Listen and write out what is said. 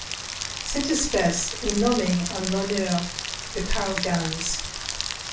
Cette espèce est nommée en l'honneur de Carl Gans.